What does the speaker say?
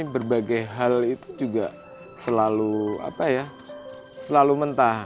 berbagai hal itu juga selalu apa ya selalu mentah